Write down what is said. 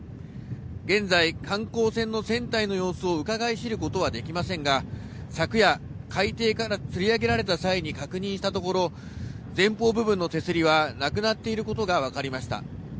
現在、観光船の船体の様子をうかがい知ることはできませんが、昨夜、海底からつり上げられた際に確認したところ、前方部分の手すりはなくなっていることが分かりました。